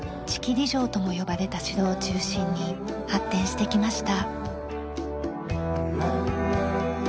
利城とも呼ばれた城を中心に発展してきました。